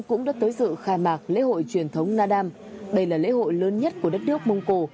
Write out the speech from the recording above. cũng đã tới sự khai mạc lễ hội truyền thống nga đam đây là lễ hội lớn nhất của đất nước mông cổ